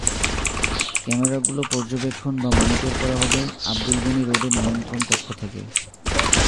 ক্যামেরাগুলো পর্যবেক্ষণ বা মনিটর করা হবে আবদুল গণি রোডের নিয়ন্ত্রণকক্ষ থেকে।